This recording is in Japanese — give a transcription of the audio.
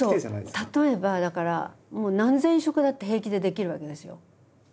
例えばだから何千色だって平気でできるわけですよ。